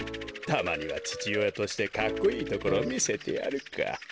たまにはちちおやとしてかっこいいところをみせてやるか。